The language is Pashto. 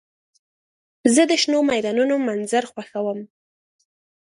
زه د شنو میدانونو منظر خوښوم.